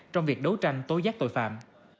trong việc đấu tranh tối giác tội phạm